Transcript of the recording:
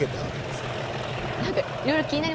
何かいろいろ気になりますね。